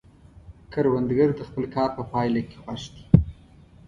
کروندګر د خپل کار په پایله کې خوښ دی